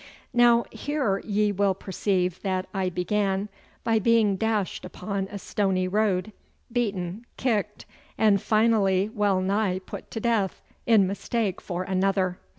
Now here ye will perceive that I began by being dashed upon a stony road, beaten, kicked, and finally well nigh put to death in mistake for another.